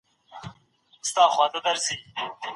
هیوادونه کله د سوله ییز لاریون اجازه ورکوي؟